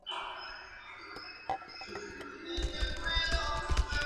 Les pide que lo lleven a Daryl.